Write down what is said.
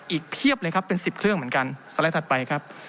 เพียบเลยครับเป็น๑๐เครื่องเหมือนกันสไลด์ถัดไปครับ